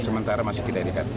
sementara masih kita edikan